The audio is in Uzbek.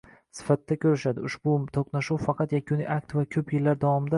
sifatida ko‘rishadi. Ushbu to‘qnashuv faqat yakuniy akt va ko‘p yillar davomida